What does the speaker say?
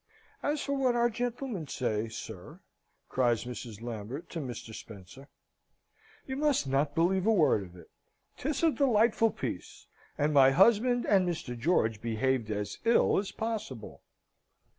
"As for what our gentlemen say, sir," cries Mrs. Lambert to Mr. Spencer, "you must not believe a word of it. 'Tis a delightful piece, and my husband and Mr. George behaved as ill as possible."